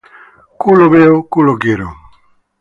Culo veo, culo quiero